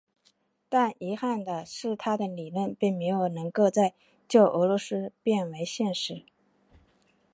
但遗憾的是他的理论并没有能够在旧俄罗斯变为现实。